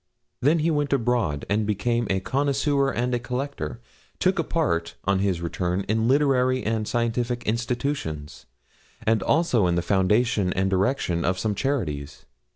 Then he went abroad, and became a connoisseur and a collector; took a part, on his return, in literary and scientific institutions, and also in the foundation and direction of some charities.